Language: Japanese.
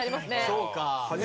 そうか。